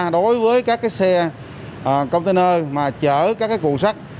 đối với các cái xe container mà chở các cái cuộn sắt